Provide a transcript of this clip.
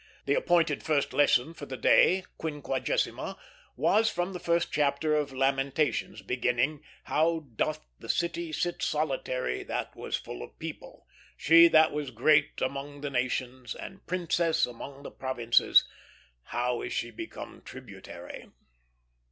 The appointed first lesson for the day, Quinquagesima, was from the first chapter of Lamentations, beginning, "How doth the city sit solitary, that was full of people!... She that was great among the nations, and princess among the provinces, how is she become tributary!"